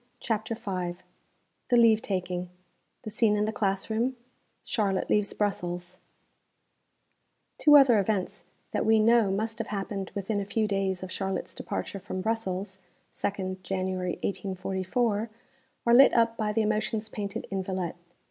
CHAPTER V THE LEAVE TAKING THE SCENE IN THE CLASS ROOM CHARLOTTE LEAVES BRUSSELS Two other events that we know must have happened within a few days of Charlotte's departure from Brussels, 2nd January 1844, are lit up by the emotions painted in _Villette.